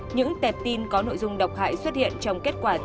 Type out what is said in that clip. những tẹp tin có nội dung độc hại xuất hiện trong kết quả tiêu diệt